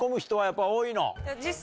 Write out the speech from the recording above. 実際。